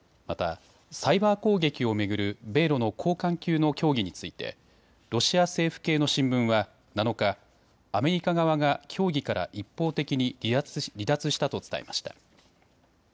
またサイバー攻撃を巡る米ロの高官級の協議についてロシア政府系の新聞は７日、アメリカ側が協議から一方的に離脱したと伝えました。